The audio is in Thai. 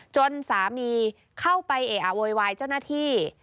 จนสามีเข้าไปเอะอะโวยวายเจ้าหน้าที่